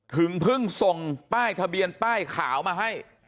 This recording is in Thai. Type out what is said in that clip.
ถึงเพิ่งส่งป้ายทะเบียนป้ายขาวมาให้